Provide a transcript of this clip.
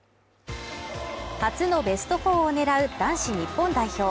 初のベスト４を狙う男子日本代表